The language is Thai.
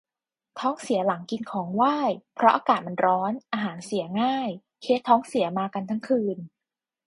ท้องเสียหลังกินของไหว้ เพราะอากาศมันร้อน อาหารเสียง่าย เคสท้องเสียมากันทั้งคืน